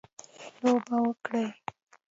لوبه وکړي.